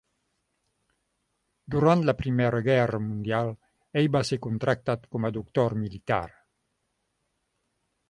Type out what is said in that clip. Durant la Primera Guerra Mundial, ell va ser contractat com a doctor militar.